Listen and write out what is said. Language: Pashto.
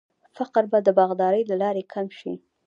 فقر به د باغدارۍ له لارې کم شي.